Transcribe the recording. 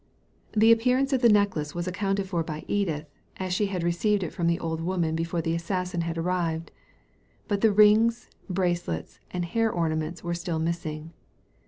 The appearance of the necklace was accounted for by Edith, as she had received it from the old woman before the assassin had arrived; but the rings, bracelets, and hair ornaments were still missing.